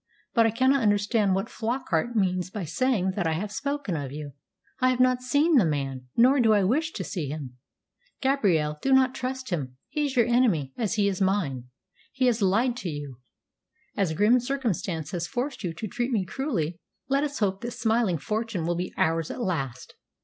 But I cannot understand what Flockart means by saying that I have spoken of you. I have not seen the man, nor do I wish to see him. Gabrielle, do not trust him. He is your enemy, as he is mine. He has lied to you. As grim circumstance has forced you to treat me cruelly, let us hope that smiling fortune will be ours at last.